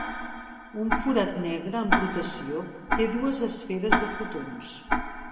Un forat negre en rotació té dues esferes de fotons.